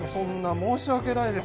申し訳ないです